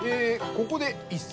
ここで一席。